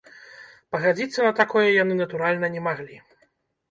Пагадзіцца на такое яны, натуральна, не маглі.